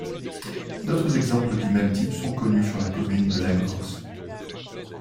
D'autres exemples du même type sont connus sur la commune de Lagorce.